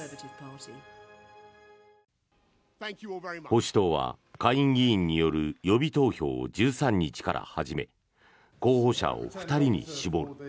保守党は下院議員による予備投票を１３日から始め候補者を２人に絞る。